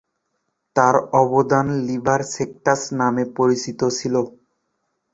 তার অবদান "লিবার সেক্সটাস" নামে পরিচিত ছিল।